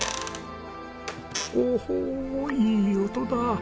おおいい音だ。